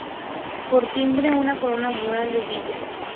Por timbre, una corona mural de vila.